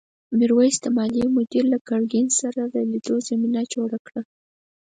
میرويس د مالیې مدیر له ګرګین سره د لیدو زمینه جوړه کړه.